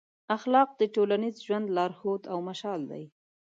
اخلاق د ټولنیز ژوند لارښود او مشال دی.